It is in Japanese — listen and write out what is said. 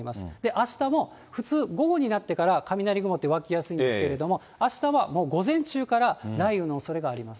あしたも、普通午後になってから雷雲って湧きやすいんですけれども、あしたはもう午前中から雷雨のおそれがあります。